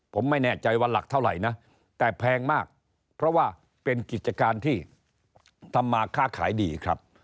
ผมไม่แน่ใจว่าหลักเท่าไหร่นะแต่แพงมากเพราะว่าเป็นกิจการที่ทำมาค่าขายดีครับ